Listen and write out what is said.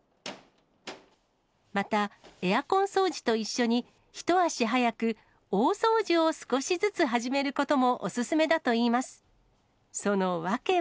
またエアコン掃除と一緒に、一足早く大掃除を少しずつ始めることもお勧めだといいます。